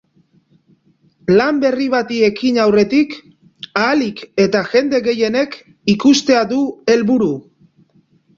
Lan berri bati ekin aurretik, ahalik eta jende gehienek ikustea dut helburu.